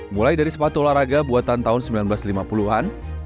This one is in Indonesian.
mulai dari sepatu olahraga buatan tahun seribu sembilan ratus lima puluh an